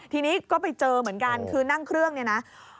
ทีนี้ก็ไปเจอเหมือนกันคือนั่งเครื่องเนี่ยนะ